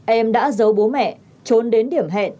em đã giấu bố mẹ trốn đến điểm hẹn